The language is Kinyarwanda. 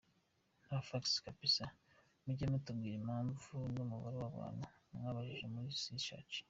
Nta facts kabsa ! Mujye mutubwira impamvu, n’umubare wabantu mwabajije muri research.